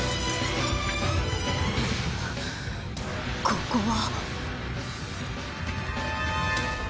ここは。